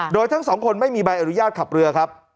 โดยทั้งสองคนไม่มีใบอนุญาตขับเรือครับ